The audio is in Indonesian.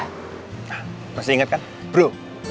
nah masih ingat kan bro